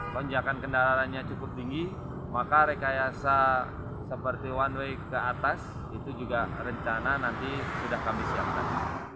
lonjakan kendaraannya cukup tinggi maka rekayasa seperti one way ke atas itu juga rencana nanti sudah kami siapkan